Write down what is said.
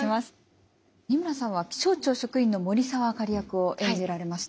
仁村さんは気象庁職員の森澤あかり役を演じられました。